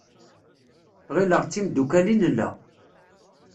Ɣileɣ d timddukal i nella.